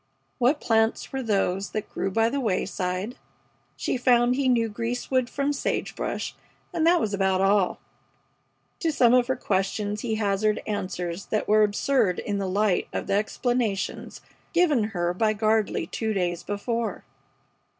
What plants were those that grew by the wayside? She found he knew greasewood from sage brush, and that was about all. To some of her questions he hazarded answers that were absurd in the light of the explanations given her by Gardley two days before.